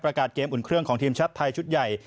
ประกาศเกมอุ่นเครื่องของทีมชัดไทยชุดใหญ่